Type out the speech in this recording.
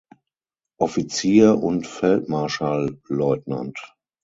Offizier und Feldmarschallleutnant.